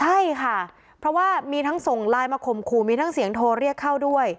ใช่ค่ะเพราะว่ามีทั้งส่งไลน์มาข่มขู่มีทั้งเสียงโทรเรียกเข้าด้วย